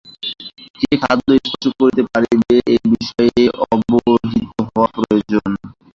কে খাদ্য স্পর্শ করিতে পাইবে, এই বিষয়ে অবহিত হওয়া প্রয়োজন।